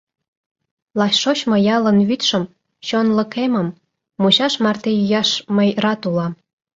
Лач шочмо ялын вӱдшым — чонлык эмым — мучаш марте йӱаш мый рат улам.